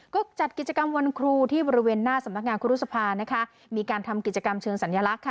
ก็จัดกิจกรรมวันครูที่บริเวณหน้าสำนักงานครูรุษภานะคะมีการทำกิจกรรมเชิงสัญลักษณ์ค่ะ